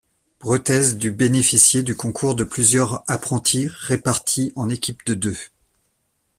Bretez dut bénéficier du concours de plusieurs apprentis répartis en équipe de deux.